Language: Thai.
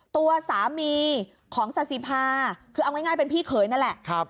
ตัวสามีของซาสิภาคือเอาง่ายเป็นพี่เขยนั่นแหละ